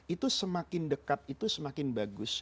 itu semakin dekat itu semakin bagus